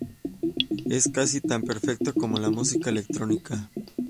Es casi tan perfecto como la música electrónica.